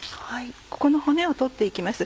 ここの骨を取って行きます